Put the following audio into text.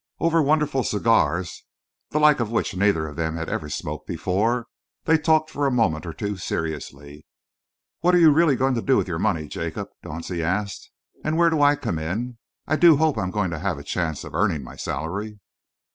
Over wonderful cigars, the like of which neither of them had ever smoked before, they talked for a moment or two seriously. "What are you really going to do with your money, Jacob?" Dauncey asked. "And where do I come in? I do hope I am going to have a chance of earning my salary."